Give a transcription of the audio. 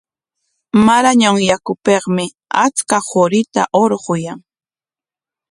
Marañon mayupikmi achka qurita hurquyan.